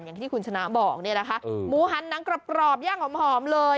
อย่างที่คุณชนะบอกเนี่ยนะคะหมูหันหนังกรอบย่างหอมเลย